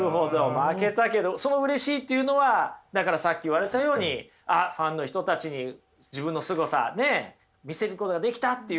負けたけどそのうれしいっていうのはだからさっき言われたようにファンの人たちに自分のすごさ見せることができたっていうことですよね？